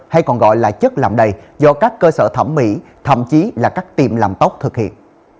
hay còn gọi là chất làm đầy do các cơ sở thẩm mỹ thậm chí là các tiệm làm tóc thực hiện